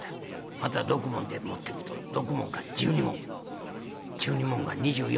また６文で持ってくと６文が１２文１２文が２４。